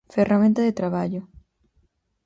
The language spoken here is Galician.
Ferramenta de traballo.